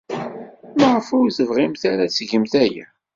Maɣef ur tebɣimt ara ad tgemt aya?